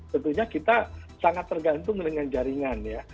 tentunya kita sangat tergantung dengan jaringan ya